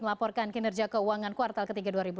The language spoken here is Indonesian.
melaporkan kinerja keuangan kuartal ke tiga dua ribu enam belas